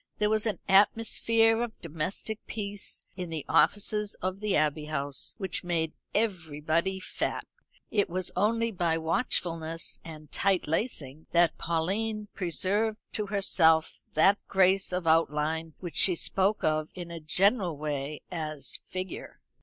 There was an atmosphere of domestic peace in the offices of the Abbey House which made everybody fat. It was only by watchfulness and tight lacing that Pauline preserved to herself that grace of outline which she spoke of in a general way as "figure."